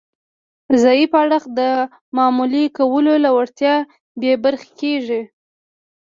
ضعیف اړخ د معاملې کولو له وړتیا بې برخې کیږي